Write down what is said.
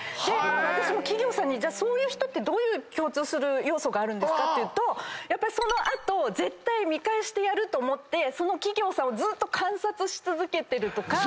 私も企業さんにそういう人ってどういう共通する要素があるんですかって言うとその後絶対見返してやると思ってその企業さんをずっと観察し続けてるとか。